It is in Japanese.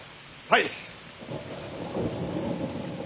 はい！